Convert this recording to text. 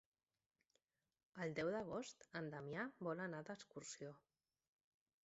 El deu d'agost en Damià vol anar d'excursió.